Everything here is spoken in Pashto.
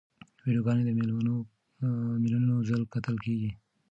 ویډیوګانې په میلیونو ځله کتل کېږي.